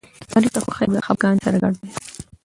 تاریخ د خوښۍ او خپګان سره ګډ دی.